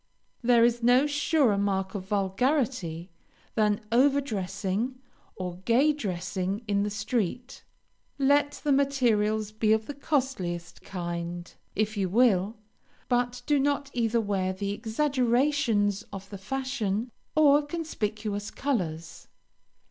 There is no surer mark of vulgarity than over dressing or gay dressing in the street. Let the materials be of the costliest kind, if you will, but do not either wear the exaggerations of the fashion, or conspicuous colors.